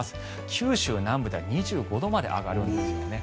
九州南部では２５度まで上がるんですね。